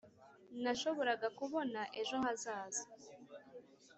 nashoboraga kubona ejo hazaza. ”